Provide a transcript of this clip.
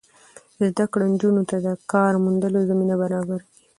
زده کړه نجونو ته د کار موندلو زمینه برابروي.